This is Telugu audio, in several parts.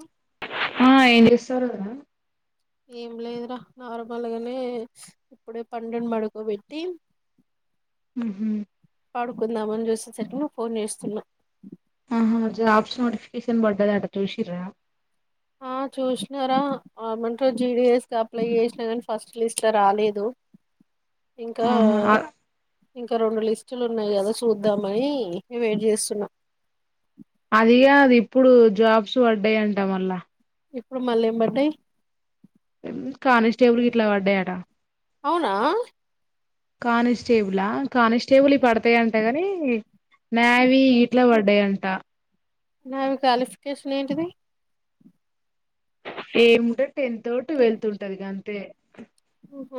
అ ఆ ఏం చేస్తారు కదా ఏం లేదురా నార్మల్గానే ఇప్పుడే పడును పడుకోబెట్టి హ పాడుకుందామని చూసేసరికి నువ్వు ఫోన్ చేస్తున్నా ఆహ జాబ్స్ నోటిఫికేషన్ బద ఎడు విచిడ ఆ చూసినారామెంటో జీడీఎస్ క అప్లై చేసినా కానీ ఫస్ట్ లిస్ట్ రాలేదు ఇంకా అ ఇంకా రెండు లిస్టులు ఉన్నాయి కదా చూద్దామని వెయిట్ చేస్తున్నాం అదిగా అది ఇప్పుడు జాబ్స్ పడ్డాయంట మళ్ళ ఇప్పుడు మళ్ళ ఏంబడ్డాయి కానిస్టేబుల్ ఇట్లా వాడ్డట అవునా కానిస్టేబులా కానిస్టేబుల్ పడతాయింట గాని నావీ ఇట్లా పడ్డాయంట ఆమె క్వాలిఫికేషన్ ఏంటిది ఏమింటో టెన్ తోటి వెళ్తుంటది గ అంతే ఉహ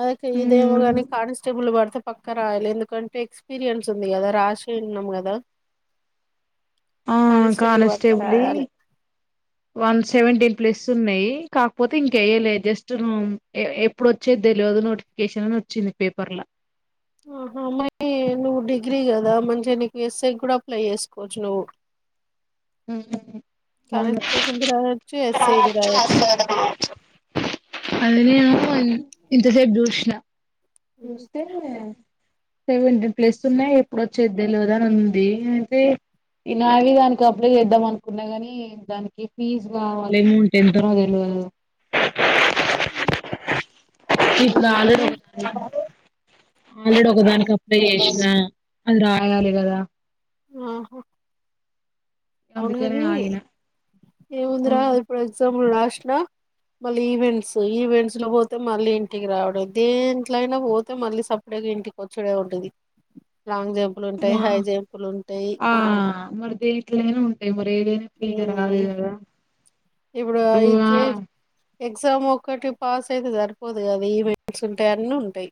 అదక ఇదే మగనే కాన్స్టేబుల్ బడుతా పక్క రాయాలి ఎందుకంటే ఎక్స్పీరియన్స్ ఉంది కదా రాసి ఉన్నాం కదా ఆ పడితే కానిస్టేబుల్ రాయాలి వన్ సెవెంటీన్త్ ప్లేస్ ఉన్నాయి కాకపోతే ఇంకేయ్యలేదు జస్ట్ ఎప్పుడు వచ్చే తెలియదు నోటిఫికేషన్ అని వచ్చింది పేపర్ల ఆహా మయి నువ్వు డిగ్రీ కదా మంచిగా నీకు ఎస్సఐ కూడా అప్లై చేసుకోవచ్చు నువ్వు ఉమ్ అవును కానిస్టబుల్ది రాచ్చు ఎస్ఐది రాజచ్చు అదని ఇంతసేపు దూశిన నూస్తతే సెవెంటీన్ ప్లస్ ఉన్నాయి ఎప్పుడు వచ్చే తెలియదు అని ఉంది అయితే ఈ నావి దానికి అప్లై చేద్దాం అనుకున్నా ని దానికి ఫీజ్ కావాలి ఏమౌట్ ఎంతో తెలియదు ఏంట అ ఆల్రెడీ ఒకదానికి అప్లై చేసినా అన్ రాయాలి కదా ఆహా అవును అందుకనే కానీ ఆగిన ఏం ఆ, వుందిరా ఇప్పుడు ఎగ్జామ్ ఇప్పుడు రాషిన మళ్ళీ ఈవెంట్స్ ఈవెంట్స్ లో పోతే మళ్ళీ ఇంటికి రావడం దేంట్ల అయినా పోతే మళ్ళీ సప్పడచేయక ఇంటికి వచ్చుడే ఉంటది లాంగ్ జంపులు ఉంటాయి మా హై జంపులు ఉంటాయి ఆ మరి దేంట్లయినా ఉం ఏదైన ఫ్రీగా రాదు మ్మ్ గదా ఇప్పుడు అయితే ఎగ్జామ్ ఒక్కటి పాస్ అయితే సరిపోదు కదా ఈవెంట్స్ ఉంటాయి అన్నీ ఉంటాయి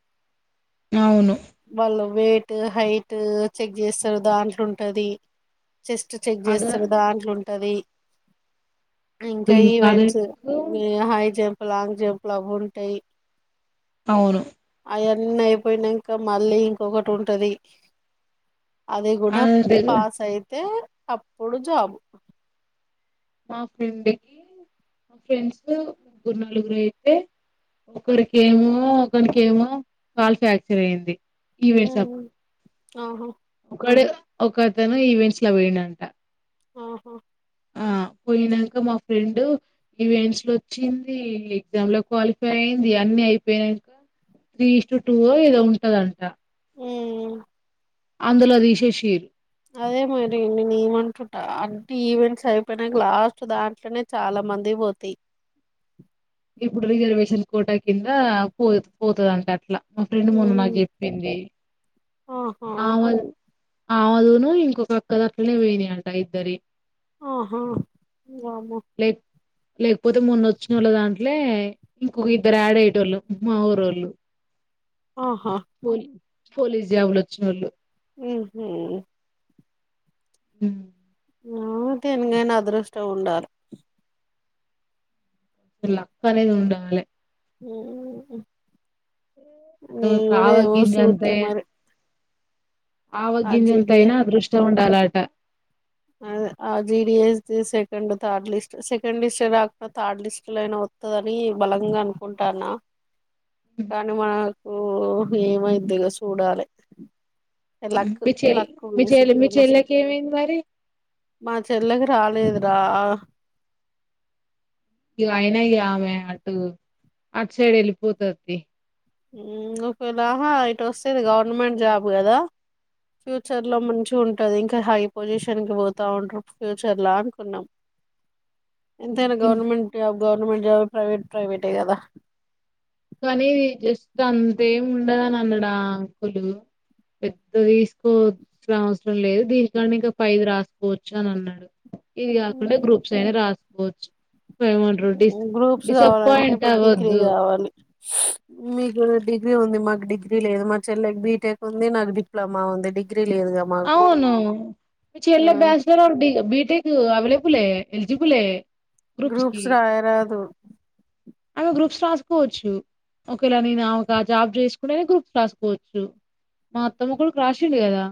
అవును వాళ్ళు వెయిట్ హైట్ చెక్ చేస్తారు దాంట్ల ఉంటది చెస్ట్ చెక్ చేస్తారు అద దాం తది ఇప్పుడు ఇంకా ఈవెంట్స్ అదెందుకు హై జంప్ లాంగ్ జంప్లు అవి ఉంటాయి అవును అవన్నీ అయిపోయినాంక మళ్ళీ ఇంకొకటి ఉంటది అది కూడా అదే పాస్ అయితే అప్పుడు జాబు మా ఫ్రెండ్ కి మా ఫ్రెండ్స్ ముగ్గురు నలుగురు అయితే ఒకరికేమో ఒకరికేమో కాల్ ఫ్రాక్చర్ అయింది ఈవెంట్స్ అప్పుడు ఉమ్, ఆహా ఒక్కడు ఒకతను ఈవెంట్స్ లా పోయిండు అంట ఆహా ఆ పోయినంక మా ఫ్రెండ్ ఈవెంట్స్ లో వచ్చింది ఎగ్జామ్ లో క్వాలిఫై అయింది అన్ని అయిపోయానంక త్రీ ఈస్ట్ టూవో ఏదో ఉంటదంట ఉమ్, అందులో తీసేషిరు అదే మరి నేను ఏమంటుంటా అన్ని ఈవెంట్స్ అయిపోయినంక లాస్ట్ దాంట్లనే చాలా మందివి పోతాయి ఇప్పుడు రిజర్వేషన్ కోట కింద పో పోతదంట అట్లా మా ఫ్రెండ్ మొన్న నాకు ఉమ్, చెప్పింది ఆహా [unintelligible] ఆమెదూను ఇంకొక అక్కది అట్లనే పోయినయి అంట ఇద్దరి ఆహా వామ్మో లే లేకపోతే మొన్న వచ్చినోళ్ళ దాంట్లే ఇంకొక ఇద్దరు యాడ్ అయ్యేటోళ్ళు మా ఊరోళ్ళు ఆహా పోలీ పోలీస్ జాబ్లు వచ్చినోలు ఉమ్ హూ మ్ ఆ దేనికైన అదృష్టం ఉండాల లక్క్ అనేది ఉండాలే ఉమ్ ఉ ఎవడో ఏమో ఆవగింజంత సుత్త మరి ఆ ఆవగింజంతైన జీడిఎస్ అదృష్టం ఉండాలి తాలాట ఆ GDS second third list second list రాకున్నా థర్డ్ లిస్టులోనైనా వత్తదని బలంగా అనుకుంటాన్న కాని మాల్ ఓహ ఏమైంది ఇక చూడాలి లక్ మీ చెల్లి లక్ మీ బేసిక్ చెల్లి మీ తోని వస్తది చెల్లెకి ఏమైంది మరి మా చెల్లకి రాలేదు రా ఇగ అయినా ఇగ ఆమె అటు అటు సైడ్ వెళ్ళిపోతుది ఒకేలా ఆహా ఇటు వస్తేది గవర్నమెంట్ జాబ్ కదా ఫ్యూచర్ లో మంచిగా ఉంటది ఇంకా హై పొజిషన్ కి పోతా ఉంటారు ఫ్యూచర్లా అనుకున్నాం ఎంతైనా government job government job private ప్రైవేటే కదా కానీ జేస్తాన్ రేప్ ఉండదని అన్నాడు ఆ అంకులు పెద్ద తీసుకోసిన అవసరం లేదు దీనికని ఇంకా పైది రాసుకోవచ్చు అని అన్నాడు ఇది కాకుండా గ్రూప్స్ అయినా రాస్ బొచ్ [inaudible] గ్రూప్స్ కావాలంటే డిసప్పయింట్ ఇప్పుడు డిగ్రీ ఆవద్దు కావాలి మీకు డిగ్రీ ఉంది మాకు డిగ్రీ లేదు మా చెల్లెకి బీటెక్ ఉంది నాకు డిప్లొమా ఉంది డిగ్రీ లేదుగా మాకు అవును మీ చెల్లి bachelor are B BTech available eligible groups రాయరాదు ఆమె గ్రూప్స్ రాసుకోవచ్చు ఒకేలా నేను ఒక జాబ్ చేసుకుంటనే గ్రూప్స్ రాసుకోవచ్చు మా అత్తమ్మ కొడుకు రాసిండు కదా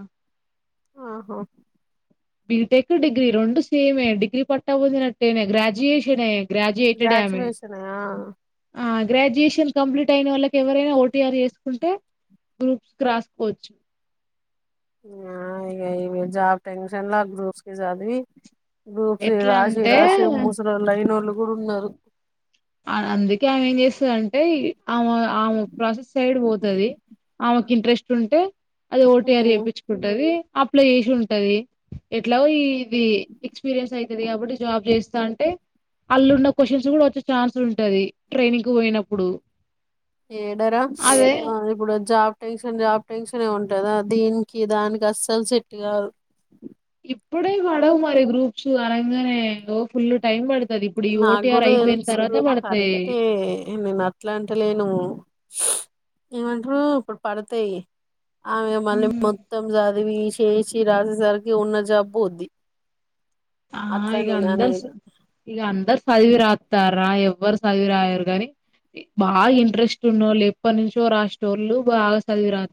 ఆహ బిటెక్ డిగ్రీ రెండు సేమ్ మే డిగ్రీ పట్ట పోందినట్టేనే గ్రాడ్యుయేషన్ గ్రాడ్యుయేటెడ్ ఆమె గ్రాడ్యుయేషన్ ఆ గ్రాడ్యుయేషన్ కంప్లీట్ అయిన వాళ్ళకి ఎవరైనా ఓటీఆర్ చేసుకుంటే గ్రూప్స్ రాసుకోవచ్చు ఆ ఈమె జాబ్ టెన్షన్ల గ్రూప్స్ కి చదివి గ్రూప్ ఎట్లా రాసి అంటే రాసి ముూసైలైనోళ్లు బుడున్నారు అందుకే ఆమె ఏం చేస్తదంటే ఆమె ఆమె ప్రాసెస్ సైడ్ పోతాది ఆమెకు ఇంట్రెస్ట్ ఉంటే అది ఓటిఆర్ ఉన్నారు చేపించుకుంటది అపైల్ చేసి ఉంటది ఎట్లా ఈ ఇది ఎక్స్పీరియన్స్ అయితది కాబట్టి జాబ్ చేస్ అంటే అల్లున్న క్వశ్చన్స్ కూడా వచ్చ ఛాన్స్ ఉంటది ట్రైనింగ్ కు పోయినప్పుడు ఏడర అదే ఆ ఇప్పుడు జాబ్ టెన్షన్ జాబ్ టెన్షన్ ఉంటందా దీనికి దానికి అస్సలు సట్ కాదు ఇప్పుడే వాడ వాడి గ్రూప్స్ గానీ అరేమానే లో ఫుల్ టైం పడుద్ది నాకు కూడా తెలుసు పడతాయి కరెక్టే నేను అట్లా అంటలేను ఏమంటరు ఇప్పుడు పడతాయి ఆమె మళ్ళీ మొత్తం చదివి చేసి రాసేసరికి ఉన్న జబ్బు పొద్ది ఆ ఇగా అందరు సు ఇగా అంద అందరు చదివి రాస్తారా ఎవరు చదివి రాయారు కానీ బాగా ఇంట్రెస్ట్ ఉన్నోలు ఎప్పటి నుంచో రాస్నోలు బాగా చదివి రా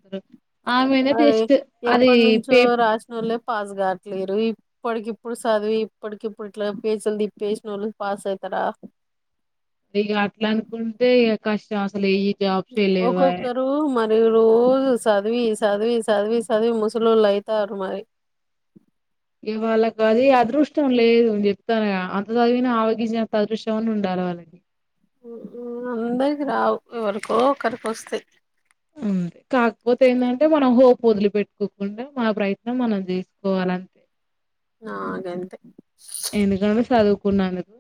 ఆమె దే మరి బెస్ట్ అది ఎప్పటి నుంచో పే రాసినోళ్ళే పాస్ కావట్లేరు ఇప్పటికిప్పుడు చదివి ఇప్పటికిప్పుడు ఇట్లా పేజిలుదిప్పేసిన ఓళ్ళు పాస్ అయితారా ఇక అట్లా అనుకుంటే కష్ట రాసులేయి జాబ్స్ లేెవాయ ఒక్కొక్కరు మరి రోజు సదివి సదివి సదివి సదివి ముసలోలూ లైతారూ మరి ఇవాళ్ళకి అది అదృష్టం లేదు చెప్తాను అంత చదివినా ఆవగించంత అదృష్టం అయినా ఉండాల వాళ్ళకి హమ్ అందరికి రావు ఎవరికో ఒకరికి వస్తాయి అంతే కాకపోతే ఏంటంటే మనం హోపు వదిలి పెట్టుకోకుండా మానా ప్రయత్నం మనం చేసుకోవాలంతే ఆ గంతే ఎందుకామే సాదు కునందుకు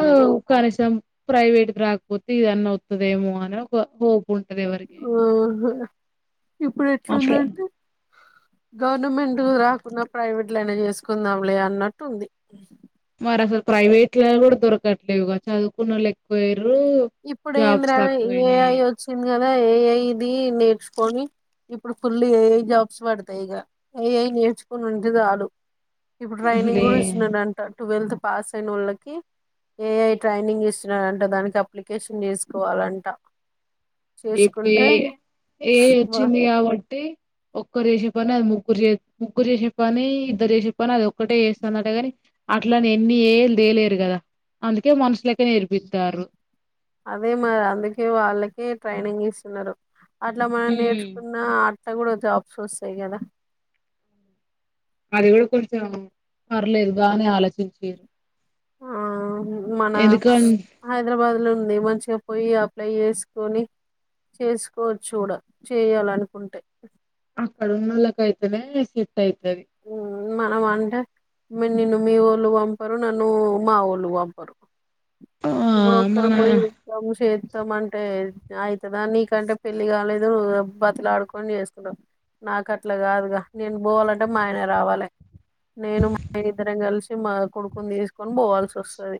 హమ్ కనీసం ప్రైవేట్ రాకపోతే ఇదన్న వుతదేమో అన్న ఒక హోప్ ఉంటది ఎవరికైనా ఓహో ఇప్పుడు మా ఫ్రెండ్ ఎట్లుందంటే గవర్నమెంట్ రాకున్నా ప్రైవేట్ లయినా చేసుకుందాంలే అన్నట్టు ఉంది మరి అసలు ప్రైవేట్ లా కూడా దొరకట్లేదు చదువుకున్నోళ్లు ఎక్కువై ఇప్పుడు ఏంద్రా ఏఐ వచ్చింది ఏఐ ఇది నేర్చుకొని ఇప్పుడు ఫుల్ ఏఐ జాబ్స్ పడతాయి ఇగ ఏఐ నేర్చుకొని ఉంటేజాలు ఇప్పుడు ట్రైనింగ్ అసలే గూడా ఇస్తునడంట ట్వెల్త్ పాస్ అయిన వాళ్ళకి ఏఐ ట్రైనింగ్ ఇస్తునారంట దానికి అప్ ప్లికేషన్ చేసుకోవాలంట ఎహ్ చేసుకుంటే ఎహ్ ఏఐ వచ్చింది కాబట్టి ఒక్కరు చేసే పని అది ముగ్గురు చే ముగ్గురు చేసే పని ఇద్దరు చేసే పని అది ఒక్కటే చేస్తదట గని అట్లని ఎన్ని ఏఐ లు దేలేరు కదా అందుకే మనుషులకే నేర్పితారు అదే మరి అందుకే వాళ్ళకి ట్రైనింగ్ ఇస్తున్నారు అట్లా మనం హ్మ్ నేర్చుకున్న ఆ అట్ల గూడా జాబ్స్ ఒస్తాయి గదా అది కూడా కొంచెం పర్లేదు బాగానే ఆలోచిం స స [inaudible] ఆ మన హైదరాబాద్ లో ఉంది మంచిగా పోయి అప్లై ఏసుకొని చేసుకోవచ్చు గూడా చేయాలనుకుంటే ఆక్కడునోలకయితేనే ఇస్తా ఊమ్ మన అంటే మే నిను మీ ఒలు వంపరు నన్ను మా ఒళ్లు వంపరు ఆ ఇప్పుడుక్కర మన బయస [inaudible] మత్తం అంటే అవుతుందా నీకంటే పెళ్లి కాలేదు నువ్వు బతిలాడుకొని చేసుకుంటవు నాకు అట్లా కాదుగా నేను బోవాలంటే ట మా ఆయన రావాలి నేను మా అయన ఇద్దరం కలిసి మా కొడుకుని తీసు కొను బోవాల్సి ఒస్తది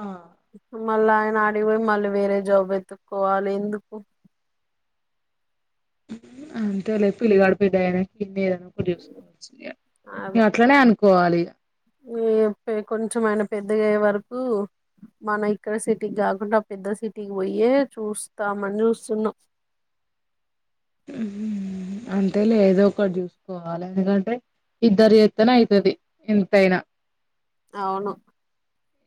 ఆ మళ్ళీ ఆయన ఆడిగిపోయి మళ్ళీ వేరే జాబు ఎతుక్కోవాలి ఎందుకు ఊమ్ అంతేలే పిలిగడు పేదగయినాక ఇంనేగా ఇగ అదే అట్లనే అను కోవాలిగా ఈ ఇగ కొంచెం ఆయన పెద్దగయ్యే వరకు మన ఇక్కడ సిటీకి గాకుండా పెద్ద సిటీకి ఓయ్యే చూస్తామని జూస్తున్నాం అంతే లేదో ఒకటి చూసు కోాల అగంటే ఇద్దరి ఎత్తన అయితది ఇంతంతయినా అవును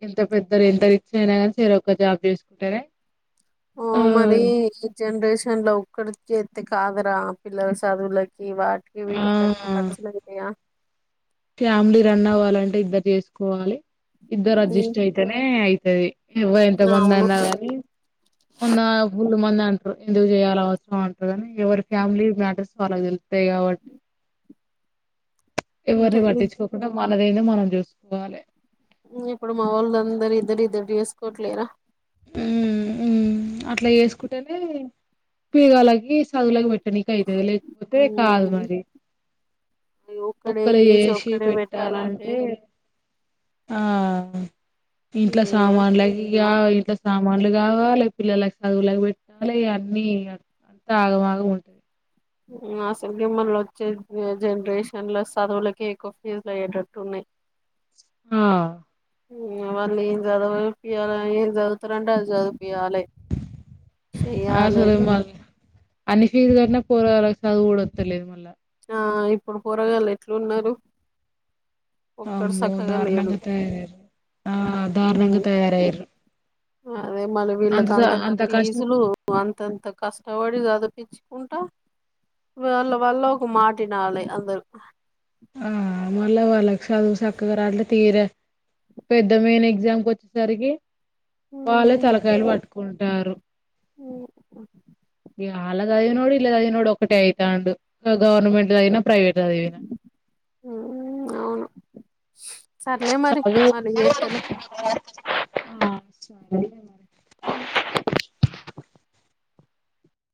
ఎంత పెద్దరు ఎంత రిచ్ అైనా కానీ సర ఒక్క జాబ్ చేసుకుంటేనే ఆ మరి ఈ జనరేషన్ లో ఇక్కడ చేతి కాదరా పిల్లర్స్ అదుల కి వాట్కి ఆ వీట్కి తగ ర్చ లేగతేయా ఫ్యామిలీ రన్ అవ్వాలంటే ఇద్దరు చేసుకోవాలి ఇద్దరు ఉమ్, అడ్జస్ట్ అయితేనే అయి అది ఇవ ఇంత మంది అవును అన్నా కానీ ఉన్నా కొడు మంది అంటారు ఎందుకు చేయాల అవసరం అంటారు కానీ ఎవరి ఫ్యామిలీ మ్యాటర్స్ వాళ్ళ తెలుతాయి కాబట్టి ఎవరి అంతే ఇ- వాటి చ పొక్కడా మనదద మనం చూసుకోవాలి ఇప్పుడు మా వాళ్ళ అందరు ఇద్దరు ఇద్దరు చేసుకోవట్లేరా ఉ అట్లా చేేసుకుంట పిగా సాగులా మట్టటి పెట్టనీకి అయితది లేకపోతే కాదు ఉమ్, మరి. ఈ ఒక్కడే ఒక్కళ్ళు ఏసి చేశీ ఒక్కడే పెట్టాలంటే. ఆ ఇంట్లో ఇయ్య, సామాన్లకి ఇగా ఇంట్లో సామాన్లు గావాలె పిల్లలకి చదువులకి పెట్టాలె ఇగా అన్నీ అంతా ఆగంమాగం ఉంటది. అసల్కే మళ్ళొచ్చే జనరేషన్ లో చదువులకే ఎక్కువ ఫీజులు అయ్యేటట్టు ఉన్నయ్. ఆ వాళ్ళేం చదవ [unintelligible] పియాల ఏం చదువుతరంటే అది చద్ పియాలే చెయ్యాలే అన్నీ ఫీజు కట్టినా పోరగాళ్ళకు చదువు గూడా వత్తలేదు మళ్ళా. ఆ ఇప్పుడు పోరగాళ్లు ఎట్లున్నరు. అమ్మో దారుణంగ తయారయ్ర్రు. ఆ దారుణంగ తయారయ్ర్రు. అ అదే మళ్ళి వీళ్ళకి అంతంత కష్టం ఫీజులూ. అంతంత కష్టపడి చదు ఇచ్చుకుంటా వాళ్ళ వాళ్ళ ఒక మాటినాలి అందరు. ఆ మళ్ళా వాళ్ళకి చదువు సక్కగా రాట్లే తీరా పెద్ద మైన్ ఎగ్జామ్కి వచ్చేసరికి. వాళ్ళే తలకాయలు పట్టుకుంట్ టారు ఇగ ఆలక్ అట్ల చదివినోడు ఇట్ల చదివినోడు ఒక్కటే అయితాండు. గ గవర్నమెంట్ల చదివినా ప్రైవేట్ల చదివినా. హా అవును సర్లే మరి చదువు మళ్ళి చేత్తలే. ఆ చాలులే‌ మరి ఊ